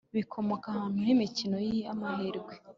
bikomoka ahantu h imikino y amahirwe